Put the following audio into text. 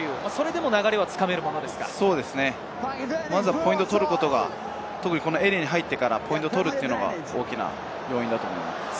まずはポイントを取ることが特に、このエリアに入ってからポイントを取るのが大きな要因だと思います。